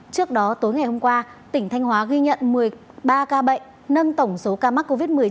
trước đó tối ngày hôm qua tỉnh thanh hóa ghi nhận một mươi ba ca bệnh nâng tổng số ca mắc covid một mươi chín